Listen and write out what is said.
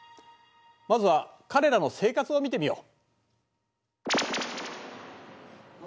まずは彼らの生活を見てみよう。